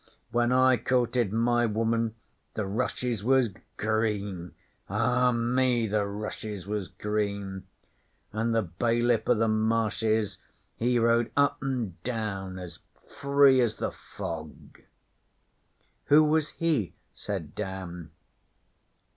'When I courted my woman the rushes was green Eh me! the rushes was green an' the Bailiff o' the Marshes he rode up and down as free as the fog.' 'Who was he?' said Dan.